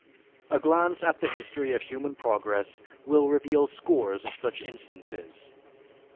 (A glance at the history of human progress will reveal scores of such instances.)